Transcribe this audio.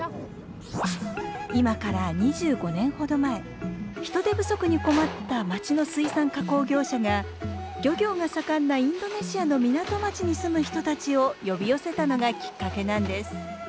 今から２５年ほど前人手不足に困った町の水産加工業者が漁業が盛んなインドネシアの港町に住む人たちを呼び寄せたのがきっかけなんです。